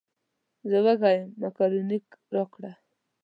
زه وږی یم مېکاروني راکړه.